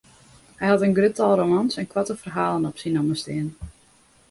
Hy hat in grut tal romans en koarte ferhalen op syn namme stean.